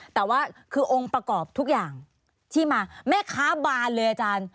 แต่ว่าคือองค์ประกอบทุกอย่างที่มาแม่ค้าบานเลยอาจารย์